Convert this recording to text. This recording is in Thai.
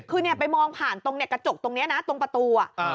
คือเนี่ยไปมองผ่านตรงเนี่ยกระจกตรงเนี้ยนะตรงประตูอ่ะอ่า